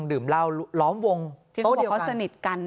ดื่มเหล้าล้อมวงโต๊ะเดียวกัน